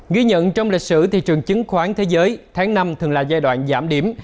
ghi nhận trong lịch sử thị trường chứng khoán thế giới tháng năm thường là giai đoạn giảm điểm